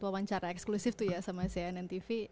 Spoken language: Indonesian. wawancara eksklusif tuh ya sama cnn tv